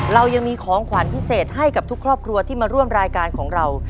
เรายังมีของขวัญพิเศษให้กับทุกครอบครัวที่มาร่วมรายการของเรา